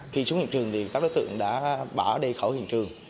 khi xuống hình trường thì các đối tượng đã bỏ ở đây khỏi hình trường